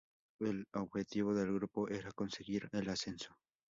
El objetivo del grupo era conseguir el ascenso.